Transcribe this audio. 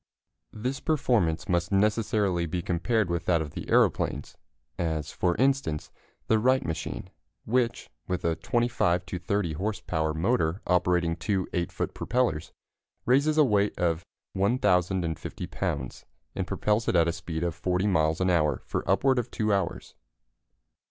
] This performance must necessarily be compared with that of the aeroplanes, as, for instance, the Wright machine, which, with a 25 to 30 horse power motor operating two 8 foot propellers, raises a weight of 1,050 pounds and propels it at a speed of 40 miles an hour for upward of 2 hours.